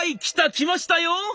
きましたよ！